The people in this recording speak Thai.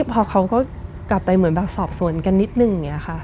พอเขาก็กลับไปเหมือนแบบสอบสวนกันนิดนึงอย่างนี้ค่ะ